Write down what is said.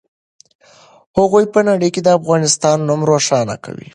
هغوی په نړۍ کې د افغانستان نوم روښانه کوي.